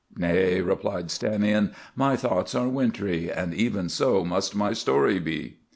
"Nay," replied Stranion; "my thoughts are wintry, and even so must my story be."